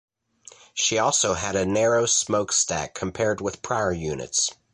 She also had a narrow smokestack compared to prior units.